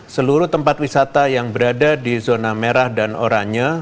seluruh tempat wisata yang berada di zona merah dan oranye